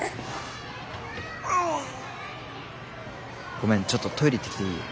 ごめんちょっとトイレ行ってきていい？